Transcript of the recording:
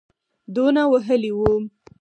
دونه وهلی وو.